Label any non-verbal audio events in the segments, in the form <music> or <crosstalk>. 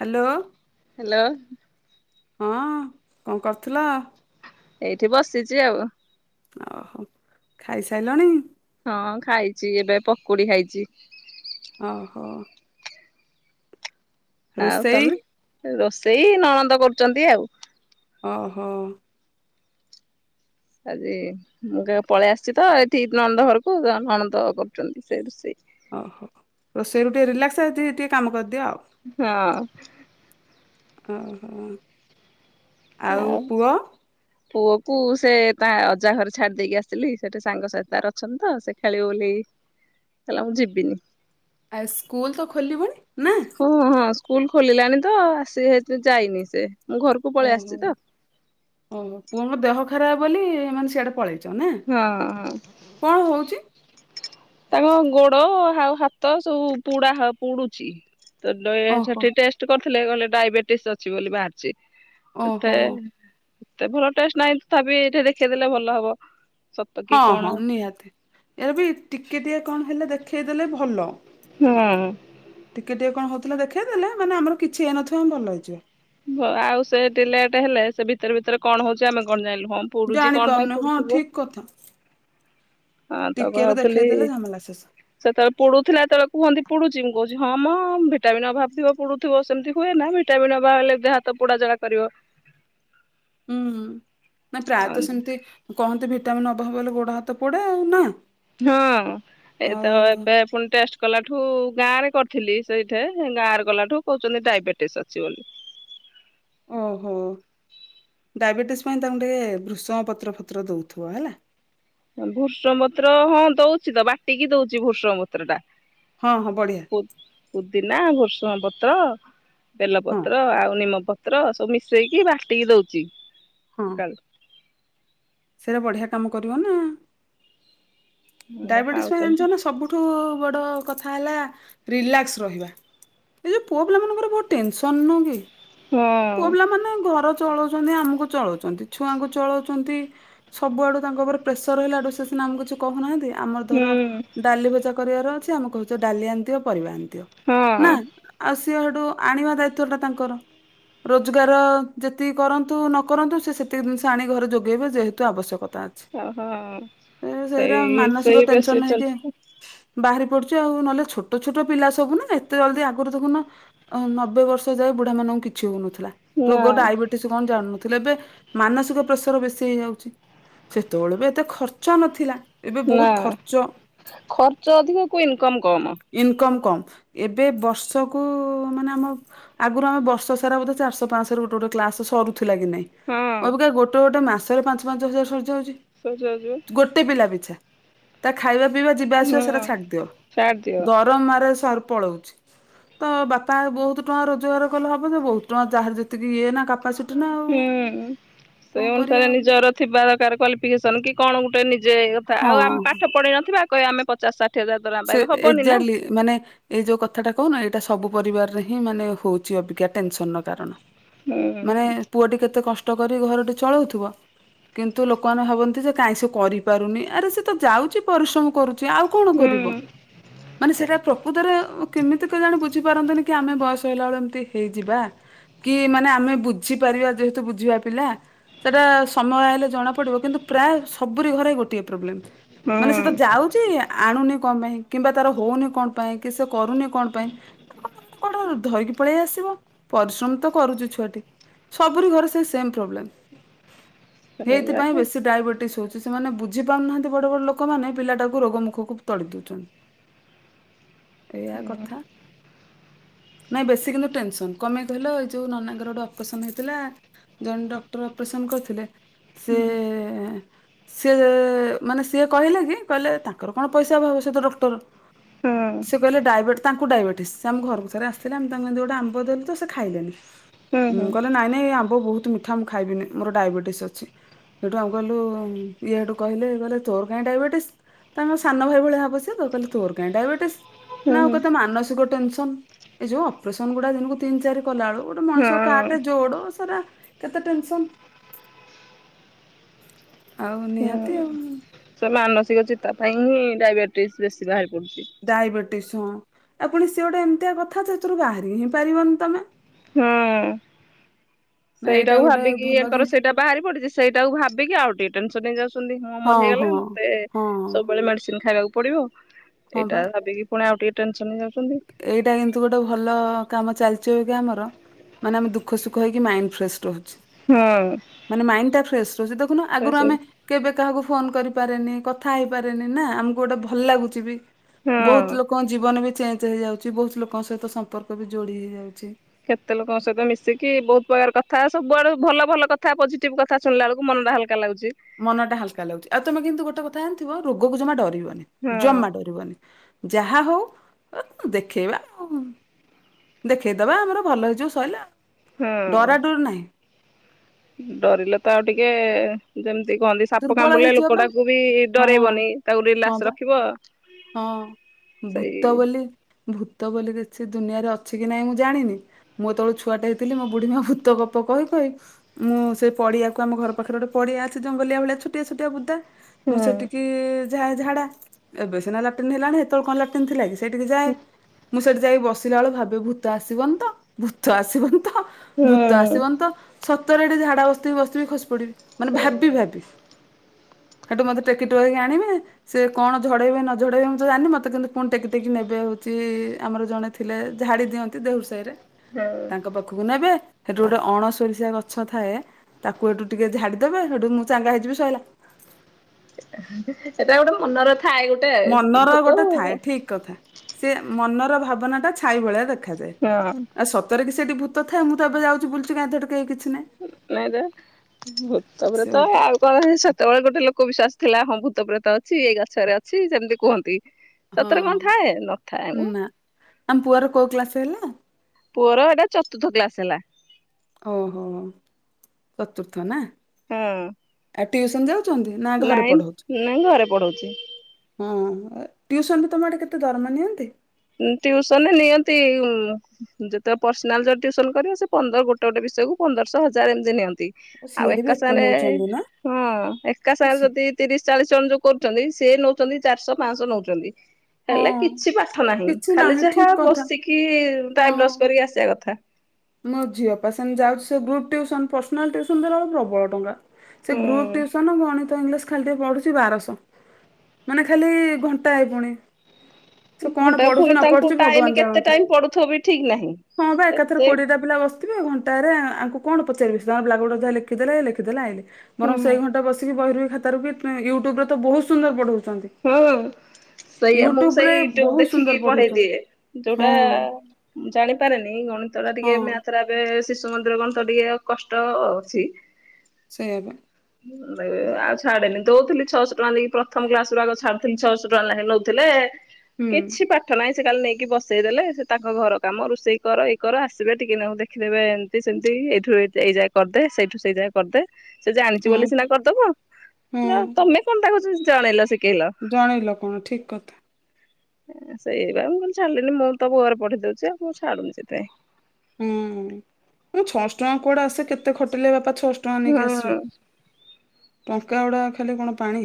Hello hello ହଁ କଣ କରୁଥିଲ? ଏଇଠି ବସିଛି ଆଉ। ଓହୋ ଖାଇସାରିଲଣି? ହଁ ଖାଇଛି ଏବେ ପକୁଡି ଖାଇଚି। ଓହୋ। ଆଉ ରୋଷେଇ ତମେ ରୋଷେଇ ନଣନ୍ଦ କରୁଛନ୍ତି ଆଉ ଓହୋ! ଆଜି ମୁଁ ଗାଁ ପଳେଇ ଆସିଛି ତ ଏଠି ନନ୍ଦ ଘରକୁ ନଣନ୍ଦ କରୁଛନ୍ତି ସେ ରୋଷେଇ। ଓହୋ ରୋଷେଇ ରୁ ଟିକେ ରିଲାକ୍ସ ହେତି ଟିକେ କାମ କରିଦିଅ ଆଉ ହଁ। <unintelligible> ଆଉ ପୁଅ କୁ ସେ ତା ଅଜା ଘରେ ଛାଡି ଦେଇକି ଆସିଲି ସେଠି ସାଙ୍ଗସଥି ତାର ଅଛନ୍ତି ତ ସେ ଖେଳିବ ବୋଲିକି କହିଲା ମୁଁ ଯିବିନି। ଆଉ ସ୍କୁଲ ତ ଖୋଲିବୁନି ନା ଓ ହଁ ସ୍କୁଲ ଖୋଲିଲାଣି ତ ଆସି <unintelligible> ଯାଇନି ସେ ଘରକୁ ପଳେଇ ଓହୋ ଆସିଛି ତ ଓହୋ ପୁଅଙ୍କ ଦେହ ଖରାପ ବୋଲି ମାନେ ସିଆଡେ ପଳେଇଛ ନା ହଁ ହଁ କଣ ହଉଛି? ତାଙ୍କ ଗୋଡ ଆଉ ହାତ ସବୁ ପୁଡା ହା ପୁଡୁଛି ତ <unintelligible> ଓହୋ ସେଠି ଟେଷ୍ଟ କରିଥିଲେ ଗଲେ ଡାଇବେଟିସ୍ ଅଛି ବୋଲି ବାହାରିଛି ଓହୋ ଏତେ ଏତେ ଭଲ ଟେଷ୍ଟ ନାହିଁ ତଥାପି ଏଠି ଦେଖେଇ ଦେଲେ ଭଲ ହବ। ସତ କି ହଁ କଣ? ହଁ ନିହାତି ଏରାବି ଟିକେ ଟିକେ କଣ ହେଲେ ଦେଖେଇଦେଲେ ଭଲ। ହୁଁ। ଟିକେ ଟିକେ କଣ ହଉଥିଲା ଦେଖେଇ ଦେଲେ ମାନେ ଆମର କିଛି ହେଇ ନଥିବ ଆମେ ଭଲ ହେଇଯିବା। ଆଉ ସେଠି ଲେଟ୍ ହେଲେ ସେ ଭିତରେ ଭିତରେ କଣ ହଉଛି ଆମେ କଣ ଜାଣିଲୁ ହଁ ପୋଡୁଛି କଣ ପାଇଁ ଜାଣିପାରୁନି ହଁ ପୁଡୁଥିବ। ଠିକ କଥା ହଁ ତ ଟିକେରୁ ଭାବୁଥିଲି ଦେଖେଇଦେଲେ ଝାମେଲା ଶେଷ ସେତେବେଳେ ପୁଡୁଥିଲା ଯେତେବେଳେ କୁହନ୍ତି ପୁଡୁଛି ମୁଁ କହୁଛି ହଁ ମ ଭିଟାମିନ ଅଭାବ ଥିବ ପଡୁଥିବ ସେମିତି ହୁଏ ନା ଭିଟାମନ୍ ଅ ଭାବ ହେଲେ ହାତ ପୋଡାଜଳା କରିବ। ହୁଁ ନା ପ୍ରାୟତଃ ସେମିତି କହନ୍ତି ଭିଟାମିନ୍ ଅଭାବ ହେଲେ ଗୋଡ ହାତ ପୋଡେ ଆଉ ନା ହଁ ଏ ତ ଆଉ ଏବେ ପୁଣି ଟେଷ୍ଟ? କଲାଠୁ ଗାଁ ରେ କରିଥିଲି ସେଇଠେ ଗାଁରେ ଗଲାଠୁ କହୁଛନ୍ତି ଡାଇବେଟିସ ଅଛି ବୋଲି। ଓହୋ ଡାଇବେଟିସ୍ ପାଇଁ ତାଙ୍କୁ ଟିକେ ଭୃଷଙ୍ଗ ପତ୍ର ପତ୍ର ଦେଉଥିବ ହେଲା। ଭୂଷଙ୍ଗ ପତ୍ର ହଁ ଦଉଛି ତ ବାଟିକି ଦଉଛି ଭୂଷଙ୍ଗ ପତ୍ର ଟା। ହଁ ହଁ ବଢ଼ିଆ। ପୂ-ପୁଦିନା ଭୁରସୁଙ୍ଗ ପତ୍ର ବେଲ ହଁ ପତ୍ର ଆଉ ନିମ ପତ୍ ପତ୍ର ସବୁ ମିଶେଇକି ବାଟିକି ଦଉଛି। ହଁ। ସକାଳୁ। ସେଇଟା ବଢିଆ କାମ କରିବ ନା ଏଟା ଡାଇବେଟିସ ପାଇଁ ଖାଉଛନ୍ତି ଜନିଛନା ସବୁଠୁ ବଡ କଥା ହେଲା ରିଲାକ୍ସ ରହିବା। ଏ ଯୋଉ ପୁଅ ପିଲା ମାନଙ୍କର ବହୁତ ଟେନସନ ନୁହଁକି ହଁ ପୁଅ ପିଲା ମାନେ ଘର ଚଳଉଛନ୍ତି ଆମକୁ ଚଳଉଛନ୍ତି ଛୁଆଙ୍କୁ ଚଳାଉଛନ୍ତି। ସବୁଆଡୁ ତାଙ୍କ ଉପରେ ପ୍ରେସର ରହିଲା ଆଡୁ ସେ ସିନା ଆମକୁ କିଛି କହୁନାହାନ୍ତି। ଆମର ହୁଁ ଧର ଡାଲି ଭଜା କରିବାର ଅଛି ଆମେ କହୁଛ ଡାଲି ଆଣିଦିଅ ପରିବା ଆଣିଦିଅ। ହଁ। ନା ଆଉ ସିଏ ହେଠୁ ଆଣିବା ଦାୟିତ୍ଵ ଟା ତାଙ୍କର। ରୋଜଗାର ଯେତିକି କରନ୍ତୁ ନ କରନ୍ତୁ ସେ ସେତିକି ଜିନିଷ ଆଣିି ଘରେ ଯୋଗେଇବେ ଯେହେତୁ ଆବଶ୍ୟକତା ଅଛି। ଓହୋ ଏ ସେଇରା ସେଇ <unintelligible> ମାନସିକ ସେଇ ଟେନସନ ବେଶି ହେଇକି ଚନ୍ତି ବାହାରି ପଡୁଛି ଆଉ ନହେଲେ ଛୋଟ ଛୋଟ ପିଲା ସବୁନା ଏତେ ଜଲଦି ଆଗରୁ ଦେଖୁନ ନବେ ବର୍ଷ ଯାଏ ବୁଢା ମାନଙ୍କୁ କିଛି ହଉନଥିଲା ନା ରୋଗ ଡାଇବେଟି ସେ କଣ ଜାଣୁନଥିଲେ ଏବେ ମାନସିକ ପ୍ରେସର ବେଶୀ ହେଇଯାଉଛି। ସେତେବେଳେ ବି ଏତେ ଖର୍ଚ୍ଚ ନଥିଲା ଏବେ ବହୁତ କା ଖର୍ଚ୍ଚ ଖର୍ଚ୍ଚ ଅଧିକ କୁ ଇନକମ କମ। ଇନକମ୍ କମ୍ ଏବେ ବର୍ଷକୁ ମାନେ ଆମ ଆଗରୁ ଆମେ ବର୍ଷ ସାରା ବୋଧ ଚାରିଶହ ପାଞ୍ଚଶହ ଗୋଟେ ଗୋଟେ କ୍ଲାସ ସରୁ ଥିଲା କି ନାଇଁ ହଁ ଅବିକା ଗୋଟେ ଗୋଟେ ମାସରେ ପାଞ୍ଚ ପାଞ୍ଚ ହଜାର ସରିଯାଉଛି। ଶୋଇ ଯାଉଛୁ। ଗୋଟେ ପିଲା ପିଛା। ତା ଖାଇବା ପିଇବା ଯିବା ଆସିବା ସେରା ହଁ। ଛାଡି ଦିଅ ଛାଡ୍ ଦିଅ ଦରମାରେ ସାର୍ ପଳଉଛି। ତ ବାପା ବହୁତ ଟଙ୍କା ରୋଜଗାର କଲେ ହବ ସେ ବହୁତ ଟଙ୍କା ଯାହାର ଯେତିକି ଇଏ ନା କାପାସିଟି। ନା ଆଉ। ହୁଁ ସେଏ କଣ ଅନୁସାରେ କରିବା ନିଜର ଥିବା ଦରକାର କ୍ୱାଲିଫିକେସନ କି କଣ ଗୋଟେ ନିଜେ କଥା ଆଉ ଆମେ ପାଠ ପଢେଇ ନଥିବା। କଇବେ ଆମେ ପଚା ଷାଠି ହଜାର ଦରମା ସେ ପାଇବା ହବନି ନା ଏକ୍ଜାଟଲି ମାନେ ଏଇ ଯୋଉ କଥାଟା କହୁନ ଏଇଟା ସବୁ ପରିବାରରେ ହିଁ ମାନେ ହଉଛି ଅବିକା ଟେନସନ ର କାରଣ। ହୁଁ ମାନେ ପୁଅଟି କେତେ କଷ୍ଟ କରି ଘରଟି ଚଳଉଥିବ। କିନ୍ତୁ ଲୋକମାନେ ଭାବନ୍ତି ଯେ କାଇଁ ସେ କରିପାରୁନି ଆରେ ସେ ତ ଯାଉଛି ପରିଶ୍ରମ କରୁ ଆଉ କଣ ହୁଁ କରିବ। ମାନେ ସେଇଟା ପ୍ରକୃତରେ କେମିତି କେଜାଣି ବୁଝିପାରନ୍ତିନି କି ଆମେ ବୟସ ହେଲା ବେଳେ ଏମିତି ହେଇଯିବା। କି ମାନେ ଆମେ ବୁଝିପାରିବା ଯେହେତୁ ବୁଝିବା ପିଲା। ସେଟା ସମୟ ଆଇଲେ ଜଣା ପଡିବ କିନ୍ତୁ ପ୍ରାୟ ସବୁରି ଘରେ ଗୋଟିଏ ପ୍ରୋବ୍ଲେମ। ମାନେ ସେ ତ ହୁଁ। ଯାଉଛି ଆଣୁନି କଣ ପାଇଁ କିମ୍ବା ତାର ହଉନି କଣ ପାଇଁ କି ସେ କରୁନି କଣ ପାଇଁ ସେଟା କଣ ଧିରିକି ପଳେଇ ଆସିବ ପରିଶ୍ରମ ତ କରୁଚି ଛୁଆଟି ସବୁରି ଘରେ ସେ ସେମ୍ ପ୍ରୋବ୍ଲେମ୍। <inaudible> ସେଇଥିପାଇଁ ହୁଁ ବେଶୀ ଡାଇବେଟିସ ହଉଛି ସେମାନେ ବୁଝି ପାରୁନାହାନ୍ତି ବଡ ବଡ ଲୋକମାନେ ପିଲାଟାକୁ ରୋଗ ମୁୁଖକୁ ତଡି ଦଉଛନ୍ତି ଏଇଆ ହୁଁ କଥା। ନାଇଁ ବେଶୀ କିନ୍ତୁ ଟେନସନ କମେଇ କହିଲ ଏଇ ଯୋଉ ନନାଙ୍କର ଗୋଟେ ଅପରେସନ ହେଇଥିଲା। ଜଣେ ଡକ୍ଟର ଅପରେସନ କରିଥିଲେ। ସେ ହୁଁ ସେ ମାନେ ସିଏ କହିଲେ କି କହିଲେ ତାଙ୍କର କଣ ପଇସା ଅଭାବ ସେ ତ ଡକ୍ଟର। ହୁଁ। ସେ କହିଲେ ଡାଇବେଟ ତାଙ୍କୁ ଡାଇବେଟିସ୍ ସେ ଆମ ଘରକୁ ଥରେ ଆସିଥିଲେ ଆମେ ତାଙ୍କୁ ଗୋଟେ ଆମ୍ବ ଦେଲୁ ତ ସେ ଖାଇଲେ ନି। ହୁଁ ଉଁ କହିଲେ ନାଇଁ ନାଇଁ ଏ ଆମ୍ବ ବହୁତ୍ ମିଠା ମୁଁ ଖାଇବିନି ମୋର ଡାଇବେଟିସ୍ ଅଛି। ଏଠୁ ଆମ କହିଲୁ ଇ ଏଠୁ କହିଲେ କଇଲେ ତୋର କାଇଁ ଡାଇବେଟିସ ତାଙ୍କ ସାନ ଭାଇ ଭଳିଆ ହବ ସେ ତ କହିଲେ ତୋର କାହିଁ ଡାଇବେଟିସ୍ ହୁଁ ନା ହୁଁ ଆଉ କେତେ ମାନସିକ ଟେନସନ୍‌। ଏଇ ଯୋଉ ଅପରେସନ ଗୁଡା ଦିନିକୁ ତିନି ଚାରି କଲାବେଳୁ ଗୋଟେ ମଣିଷ ହଁ। କାଟେ ଯୋଡ ସାରା କେତେ ଟେନସନ୍‌ ଆଉ ନିହାତି ହୁଁ ଆଉ। ସେ ମାନସିକ ଚିତା ପାଇଁ ହିଁ ଡାଇବେଟିସ୍ ବେଶୀ ବାହାରି ପଡୁଛି। ଡାଇବେଟିସ୍ ହଁ ଆଉ ପୁଣି ସିଏ ଗୋଟେ ଏମିତିଆ କଥା ସେଥିରୁ ବାହାରି ହିଁ ପାରିବନି ତମେ ହୁଁ ନା ଏଇଟା ସେଇଟାକୁ ଗୋଟେ ଭାବିକି ଭଲ ଆଙ୍କର ଜିନି ସେଇଟା ବାହାରି ପଡ଼ିଛି ସେଇଟାକୁ ଭାବିକି ଆଉ ଟିକେ ଟେନସନ୍ ନେଇ ଯାଉଛି। ହଁ ମୋର ହେଇଗଲା ମତେ ହଁ ସବୁବେଳେ ମେଡିସିନ ଖାଇବାକୁ ପଡିବ ହଁ ବା ଏଇଟା ଭାବିକି ପୁଣି ଆଉ ଟିକେ ଟେନସନ୍‌ ହେଇ ଯାଉଛନ୍ତି। ଏଇଟା କିନ୍ତୁ ଗୋଟେ ଭଲ କାମ ଚାଲିଛି କି ଆମର। ମାନେ ଆମେ ଦୁଃଖ ସୁଖ ହେଇକି ମାଇଣ୍ଡ ଫ୍ରେସ୍‌ ରହୁଛି। ହଁ ମାନେ ମାଇଣ୍ଡ ଟା ଫ୍ରେସ୍‌ ରହୁଛି ଦେଖୁନ୍‌ ସେ ଆଗରୁ ସବୁ ଆମେ କେବେ କାହାକୁ ଫୋନ୍ କରିପାରେନି କଥା ହେଇ ପାରେନି ନା ଆମକୁ ଗୋଟେ ଭଲ ଲାଗୁଛି ବି। ହଁ। ବହୁତ୍ ଲୋକଙ୍କ ଜୀବନ ବି ଚେଞ୍ଜ ହେଇଯାଉଛି ବହୁତ ଲୋକଙ୍କ ସହିତ ସମ୍ପର୍କ ବି ଯୋଡି ହେଇ ଯାଉଛି। କେତେ ଲୋକଙ୍କ ସହିତ ମିଶିକି ବହୁତ୍ ପ୍ରକାର କଥା ସବୁଆଡେ ଭଲ ଭଲ କଥା ପଜିଟିଭ କଥା। କଥା ଶୁଣିଲା ବେଳକୁ ମନ ଟା ହାଲ୍କା ଲାଗୁଚି। ମନଟା ହାଲ୍କା ଲାଗୁଛି ଆଉ ତୁମେ କିନ୍ତୁ ଗୋଟେ କଥା ଜାଣିଥିବ ରୋଗକୁ ଜମା ଡରିବନି ହଁ ଜମା ଡରିବନି। ଯାହା ହଉ ଦେଖେଇବା ଆଉ। ଦେଖେଇ ଦବା ଆମର ଭଲ ହେଇଯିବ ସଇଲା ହଁ। ଡରାଡରି ନାହିଁ। ଡରିଲେ ତ ଆଉ ଟିକେ ଯେମିତି କହନ୍ତି ସାପ ଦୁର୍ବଳ କାମୁଡିଲେ ହେଇଯିବ ପା ଲୋକଟାକୁ ବି ହଁ ଡରଇବନି ତାକୁ ହଁ ରିଲାସ୍କ ପା। ରଖିବ। ହଁ ସେଇ ଭୂତ ବୋଲି ଭୂତ ବୋଲି କିଛି ଦୁନିଆରେ ଅଛି କି ନାହିଁ ମୁଁ ଜାଣିନି। ମୁଁ ଯେତେବେଳେ ଛୁଆଟେ ହେଇଥିଲି ମୋ ବୁଢୀ ମା ଭୂତ ଗପ କହି କହି ମୁଁ ସେଇ ପଡିଆକୁ ଆମ ଘର ପାଖରେ ଗୋଟେ ପଡିଆ ଅଛି ଜଙ୍ଗଲି ଭଳିଆ ଛୋଟିଆ ଛୋଟିଆ ବୁଦା ହୁଁ ମୁଁ ସେଠିକି ଯାହେ ଝାଡା ଏବେ ସିନା ଲାଟନୀ ହେଲାଣି ସେତବେଳେ କଣ ଲା ସେମିତି ଥିଲା କି ସେଠିକି ଯାଏ ମୁଁ ସେଠି ଯାଇକି ବସିଲା ବେଳ ଭାବେ ଭୂତ ଆସିବନି ତ ଭୂତ ଆସିବନି ତ ଭୂତ ହୁଁ ଆସିବନି ତ ସତରେ ଏଠି ଝାଡା ବସିଥିବି ବସିଥିବି ଖସି ପଡିବି। ମାନେ ସେଇ ଭାବି ଭାବି ସେଠୁ ମତେ ଟେକି ଟୋକା କି ଆଣିବେ ସେ କଣ ଝଡେଇବେ ନ ଝଡେବେ ମୁଁ ତ ଜାଣିନି ମତେ କିନ୍ତୁ ପୁଣି ଟେକି ଟେକି ନେବେ ହଉଛି ଆମର ଜଣେ ଥିଲେ ଝାଡି ଦିଅନ୍ତି ଦେହୁରି ସାହି ରେ ହଁ। ତାଙ୍କ ପାଖକୁ ନେବେ ସେଠୁ ଗୋଟେ ଅଣସୋରିଷିଆ ଗଛ ଥାଏ। ତାକୁ ଏଠୁ ଟିକେ ଝାଡ଼ି ଦେବେ ସେଠୁ ମୁଁ ଚାଙ୍ଗା ହେଇଯିବି ଶଇଲା। ସେଟା ଗୋଟେ ମନର ଥାଏ ଗୋଟେ ମନର ଭୂତ ଗୋଟେ ଥାଏ ହଁ ଠିକ୍ କଥା ସେ ମନର ଭାବନା ଟା ଛାଇ ଭଳିଆ ଦେଖାଯାଏ ନାଇଁ ଆସ ଯଦି କି ସେଇଠି ଭୂତ ଥାଏ ମୁଁ ତ ଏବେ ଯାଉଛି ବୁଲୁଚି କାଁଇ ସେଠି କେହି କିଛି ନାହିଁ। ନାଇଁ ତ ସେ ଭୂତପ୍ରେତ ତ ଗୋଟେ ଆଉ ସେତେବେଳେ ଗୋଟେ ଲୋକ ବିଶ୍ଵାସ ଥିଲା ହଁ ଭୂତପ୍ରେତ ଅଛି ଏଇ ଗଛରେ ଅଛି ସେମିତି କୁହନ୍ତି। ହଁ ସତରେ କଣ ଥାଏ ନଥାଏ ମ ନା ଆମ ପୁଅର କୋଉ କ୍ଲାସ୍ ହେଲା? ପୁଅର ଏଇଟା ଚତୁର୍ଥ କ୍ଲାସ୍ ହେଲା। ଓହୋ ଚତୁର୍ଥ ନା? ହୁଁ। ଆଉ ଟ୍ଯୁଉସନ୍ ଯାଉଛନ୍ତି ନା ଘରେ ପଢୋଉଚ? ନାଇଁ ଘରେ ପଢଉଛି ହୁଁ ଟ୍ଯୁସନ୍ ରେ ତମ ଆଡେ କେତେ ଦରମା ନିଅନ୍ତ? ଟ୍ଯୁସନ୍ ରେ ନିଅନ୍ତି? ଯେତେବେଳେ ପର୍ସିନା ଯଦି ଟ୍ୟୁସନ୍ କରିବ ସେ ପନ୍ଦ ଗୋଟେ ଗୋଟେ ବିୟକୁ ପନ୍ଦରଶହ ହଜାରେ ଏମିତି ନିଅନ୍ତି। ଓ ଆଉ ସିଆଡେ ବି ଏକା ଏତେ ସାଙ୍ଗରେ ନଉଛନ୍ତି ନା ହଁ ଏକା ସାଙ୍ଗରେ ଅଛି ଯଦି ତିରିଶି ଚାଳିଶି ଜଣ ଯୋଉ କରୁଚନ୍ତି ସିଏ ନଉଛନ୍ତି ଚାରିଶହ ପାଞ୍ଚଶହ ନଉଚନ୍ତି ହେଲେ ହଁ କିଛି ପା ପାଠ ନାହିଁ କିଛି ଖାଲି ନାହିଁ ଯାହା ଠିକ କଥା ବସିକି ଟାଇମ୍ ଲସ୍ ହଁ କରିକି ଆସିବା କଥା ମୋ ଝିଅ ପା ସେମିତି ଯାଉଛି ଗ୍ରୁପ୍ ଟ୍ଯୂସୁନ୍ ପ୍ରର୍ସିନାଲ ଟ୍ଯୁସନ୍ ଦେଲବେଳ କୁ ପ୍ରବଳ ଟଙ୍କା ସେ ଗ୍ରୁପ୍ ହୁଁ ଟ୍ୟୁସନ ଗଣିତ ଇଂଲିଶ୍ ଖାଲି ଟିକେ ପଢୁଛି ବାରଶହ ମାନେ ଖାଲି ଘଣ୍ଟାଏ ପୁଣି ସେ କଣ ଘଣ୍ଟା ପଢୁଛି ପୁଣି ନ ତାଙ୍କୁ ପଢୁଛି ଟାଇମ ଭଗବାନ କେତେ ଜାଣନ୍ତି ଟାଇମ ପଡୁଥିବ ବି ଠିକ ନାହିଁ। ହଁ ବା ଏକାଥରେ ଏତେ ଅଲଗା ପିଲା ବସିଥିବେ ଆଉ ଘଣ୍ଟାଏରେ ଆଙ୍କୁ କଣ ପଚାରିବେ ସେତାଙ୍କର ବ୍ଲାକ ବୋଡ଼ର୍ ଯାହା ଲେଖିଦେଲେ ଲେଖିଦେଲେ ଏ ଆଇଲେ ହୁଁ ବରଂ ସେଇ ଘଣ୍ଟା ବସିକି ବହିରୁ କି ଖାତାରୁ ବି ୟୁଟ୍ୟୁବରେ ତ ବହୁତ୍ ସୁନ୍ଦର ପଢଉଛନ୍ତି। ହଁ ସେଇଆ ମୁ ସେଇ ୟୁଟ୍ୟୁବରେ ୟୁଟ୍ୟୁବୁ ବହୁତ ସୁନ୍ଦର ଦେଖିକି ପଢେଇ ପଢଉଛନ୍ତି। ଦିଏ ଯୋଉଟା ହଁ ମୁଁ ଜାଣିପାରେନି ଗଣିତଗୁରା ଟିକେ ହଁ ମ୍ୟାଥ୍ ରା ସେ ଶିଶୁ ମନ୍ଦିର ଗଣିତ ଟିକେ ଆଉ କଷ୍ଟ ଅଛି। ସେ ଇଆବା ଆଉ ଛାଡେନି ଦଉଥିଲି ଛଅଶହ ଟଙ୍କା ଦେଇକି ପ୍ରଥମ କ୍ଲାସ୍ ରୁ ଆଗରୁ ଛାଡୁଥିଲି ଛଅଶହ ଟଙ୍କା ନେଖେ ଲାଗି ନେଉଥିଲେ ହୁଁ କିଛି ପା ପାଠ ନାହିଁ ସେ କାଲି ନେଇକି ବସେଇଦେଲେ ସେ ତାଙ୍କ ଘର କାମ ରୋଷେଇ କର ଇଏ କର ଆସିବେ ଟିକେ ନାକୁ ଦେଖିଦେବେ ସେମିତି ଏଇଠୁ ଏଇ ଯାଙ୍କେ କରିଦେ ସେଇଠୁ ସେଇ ଯାଙ୍କେ କରିଦେ। ସେ ଜାଣିଛି ହଁ ବୋଲି ସିନା କରିଦେବ ହଁ ନା ତମେ କଣ ତାକୁ ଜଣେଇଲ ଶିଖେଇଲ ଜଣେଇଲ କଣ ଠିକ୍ କଥା ସେଇ ବା ମୁଁ କହିଲ ଛାଡିଲିନି ମୁଁ ତ ଘରେ ପଢେଇ ଦଉଛିଉ ମୁଁ ଛାଡୁନି ସେଥିପାଇଁ ହୁଁ ଛଅଶହ ଟଙ୍କା କୁଆଡା ଆସେ କେତେ ଖଟିଲେ ବାପା ଛଅଶହ ଟଙ୍କା ନେଇକି ଆସିବେ ହଁ ଟଙ୍କା ଗୁଡ଼ା ଖାଲି କଣ ପାଣି।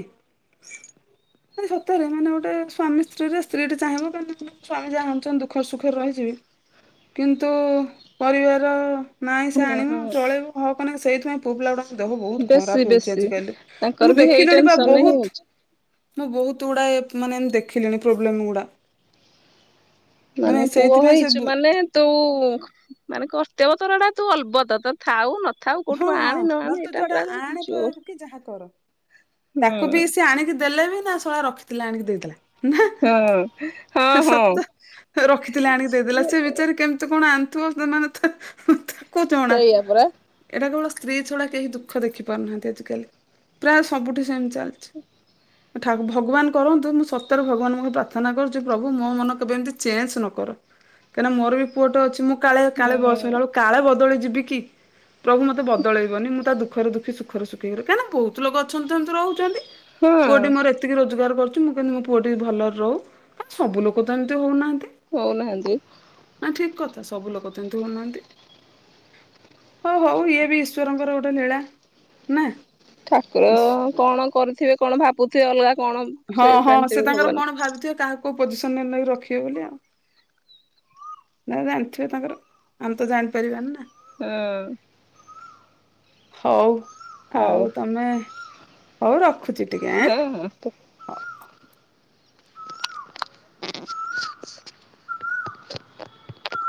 ମନେ ସତରେ ମାନେ ଗୋଟେ ସ୍ଵାମୀ ସ୍ତ୍ରୀ ରେ ସ୍ତ୍ରୀ ଟି ଚାଁହିବ କେମିତି ସ୍ଵାମୀ ଯାହା ଆନୁଛନ୍ତି ଦୁଃଖରେ ସୁଖରେ ରହିଯିବି। କିନ୍ତୁ ପରିବାର ନାଇଁ ସେ ହଁ ଆଣିମୁ ହଁ ଚଳେଇବୁ ହକନେ ସେଇଥିପାଇଁ ପୁଅ ପିଲା ଗୁଡାଙ୍କ ଦେହ ବହୁତ ବେଶୀ ଖରାପ ହଉଛି ବେଶୀ ଆଜିିକାଲି। ତାଙ୍କର ମୁଁ ବି ହେଇ ଦେଖିଲିଣି ପା ଟେନସନରେ ହିଁ ବହୁତ ହଉଛି। ମୁଁ ବହୁତ ଗୁଡ଼ା ଏ ମାନେ ଦେଖିଲିଣି ପ୍ରୋବ୍ଲେମ୍ ଗୁଡା। ମାନେ ପୁଅ ସେଇଥିପାଇଁ ସେ ହୋଇଛୁ ବୁ ମାନେ ତୁ ମାନେ କର୍ତ୍ତବ୍ୟ ତୋର ଏଟା ତୁ ଅଲବତ। ତୋର ଥାଉ ନଥାଉ ହଁ କୋଉଠୁ ହଁ ଆଣେ ନ ନହେଲେ ଆଣେ ତୁ ଏଇଟା ଯୋଉଟା ପୁରା ରେ ଆଣେ ପ ଯୋ କି ଯାହା କର ତାକୁ ବି ସିଏ ଆଣିକି ଦେଲେ ବି ତା ଶଳା ରଖିଥିଲା ଆଣିକି ଦେଇଦେଲା। ନାହା, ହଁ ହଁ ହେ ହଁ ସତ ରଖିଥିଲା ଆଣିକି ଦେଇଦେଲା। ସେ ବିଚାରି କେମିତି କଣ ଆଣ ତୋ ଦୁ ମାନେ ତ ତାକୁ ଜଣା। ଏଟା ପୁରା ଏଟା କେବଳ ସ୍ତ୍ରୀ ଛଡା କେହି ଦୁଃଖ ଦେଖିପାରୁନାହାନ୍ତି ଆଜିକାଲି। ପ୍ରାୟ ସବୁଠି ସେମତି ଚାଲିଛି। ମୁଁ ଠାକୁ ଭଗବାନ କରନ୍ତୁ ମୁଁ ସତରେ ଭଗବାନଙ୍କୁ ମୁଁ ପ୍ରାର୍ଥନା କରୁଛି, ପ୍ରଭୁ ମୋ ମନ କେବେ ଏମିତି ଚେଞ୍ଜ ନ କର। କାହିଁକିନା ମୋର ବି ପୁଅଟେ ଅଛି। ମୁଁ କାଳେ ହୁଁ କାଳେ ବୟସ ହେଲା ବେଳକୁ କାଳେ ବଦଳି ଯିବି କି। ପ୍ରଭୁ ମୋତେ ବଦଳେଇବନି, ମୁଁ ତା ଦୁଃଖରେ ଦୁଃଖୀ, ସୁଖରେ ସୁଖୀ ହେଇକି ରହେ। କାହିଁକିନା ବହୁତ ଲୋକ ଅଛନ୍ତି ତ ଏମତି ରହୁଛନ୍ତି। ପୁଅଟି ହଁ ମୋର ଏ ତିକି ରୋଜଗାର କରୁଚି, ମୁଁ କେମତି ମୋ ପୁଅ ଟିକି ଭଲରେ ରଉ। ଆ, ସବୁ ଲୋକ ତ ଏମିତି ହଉନାହାନ୍ତି। ହଉ ନାହାଁନ୍ତି। ନା ଠିକ କଥା ସବୁ ଲୋକ ତ ଏମିତି ହଉନାହାନ୍ତି। ହୋ ହଉ ଇଏ ବି ଈଶ୍ୱରଙ୍କର ଗୋଟେ ଲୀଳା ନା। ଠାକୁର ଇସ୍- କଣ କରିଥିବେ। କଣ ଭାବୁଥିବେ ଅଲଗା କଣ। ହଁ, ସେ ହଁ ସେ ଜାଣିଥିବେ ତାଙ୍କର ଭଗବାନ। କଣ ଭାବିଥିବେ କାହାକୁ କୋଉ ପୋଜିସନ୍ ନେ ନେଇକି ରଖିବେ ବୋଲି ଆଉ। ନା ଜାଣିଥିବେ ତାଙ୍କର, ଆମେ ତ ଜାଣିପାରିବାନି ନା। ହଁ। ହଉ ହଉ ଆଉ ତୋମେ ହଉ ରଖୁଛି। ଟିକେ ଆଁ। ହଁ, ହଁ, ତୁ